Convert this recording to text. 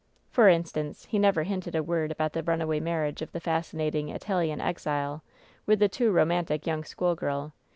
For instance, he never hinted a word about the run away marriage of the fascinating Italian exile with the too romantic young school girl.